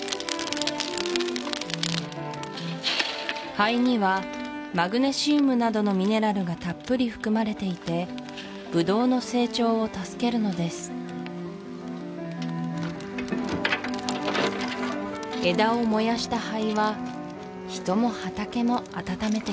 灰にはマグネシウムなどのミネラルがたっぷり含まれていてブドウの成長を助けるのです枝を燃やした灰は人も畑も温めてくれます